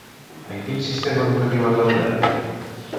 En quin sistema educatiu ha treballat?